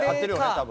多分。